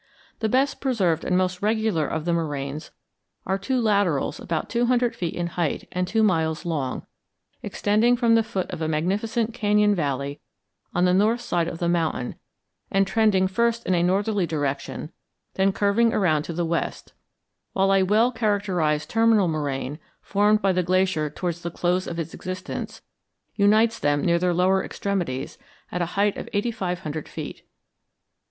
The best preserved and most regular of the moraines are two laterals about two hundred feet in height and two miles long, extending from the foot of a magnificent cañon valley on the north side of the mountain and trending first in a northerly direction, then curving around to the west, while a well characterized terminal moraine, formed by the glacier towards the close of its existence, unites them near their lower extremities at a height of eighty five hundred feet.